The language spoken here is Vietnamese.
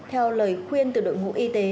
theo lời khuyên từ đội ngũ y tế